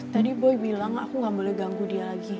tadi boy bilang aku gak boleh ganggu dia lagi